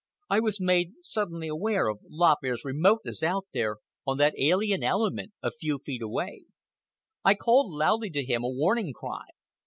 I was made suddenly aware of Lop Ear's remoteness out there on that alien element a few feet away. I called loudly to him a warning cry.